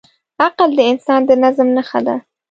عقل د انسان د نظم نښه ده.